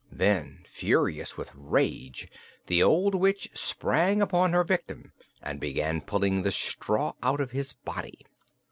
Then, furious with rage, the old witch sprang upon her victim and began pulling the straw out of his body.